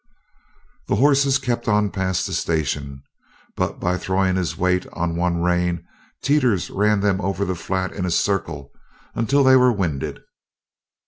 The horses kept on past the station, but by throwing his weight on one rein Teeters ran them over the flat in a circle until they were winded.